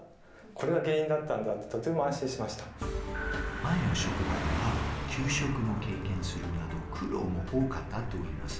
前の職場では休職も経験するなど苦労も多かったといいます。